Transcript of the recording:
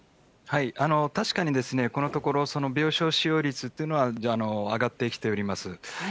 確かに、このところ病床使用率というのは、上がってきております。